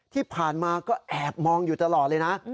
ที่ผ่านมาก็แอบมองอยู่ตลอดเลยนะ